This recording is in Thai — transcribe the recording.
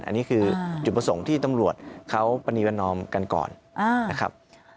อันนี้คือจุดประสงค์ที่ตำรวจเขาปรณีประนอมกันก่อนนะครับ